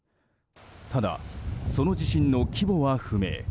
ただ、その震源の規模は不明。